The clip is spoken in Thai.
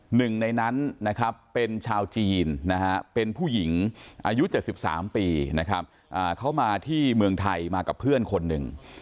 หนึ่งในนั้นนะครับเป็นชาวจีนนะฮะเป็นผู้หญิงอายุ๗๓ปีนะครับเขามาที่เมืองไทยมากับเพื่อนคนหนึ่ง